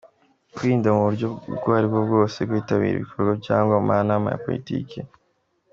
-Kwirinda mu buryo ubwo ari bwo bwose kwitabira ibikorwa cyangwa amanama ya politiki